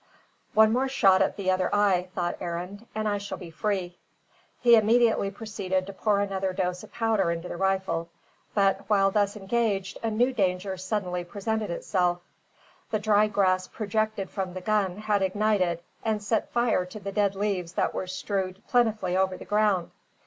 "One more shot at the other eye," thought Arend, "and I shall be free." He immediately proceeded to pour another dose of powder into the rifle, but while thus engaged a new danger suddenly presented itself. The dry grass projected from the gun had ignited and set fire to the dead leaves that were strewed plentifully over the ground.